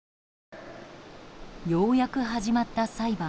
ようやく始まった裁判。